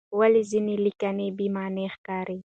ولې ځینې لیکنې بې معنی ښکاري؟